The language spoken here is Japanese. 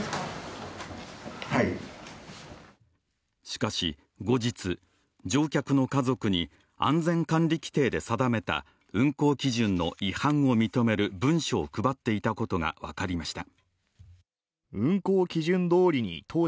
しかし後日、乗客の家族に安全管理規程で定めた運行基準の違反を認める文書を配っていたことが分かりました。